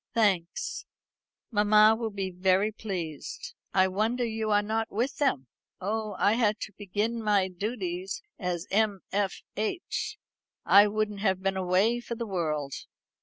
"Thanks; mamma will be very pleased. I wonder you are not with them." "Oh, I had to begin my duties as M. F. H. I wouldn't have been away for the world."